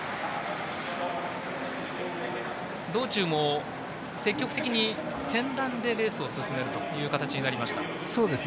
道中も積極的に先団でレースを進めるという形になりました。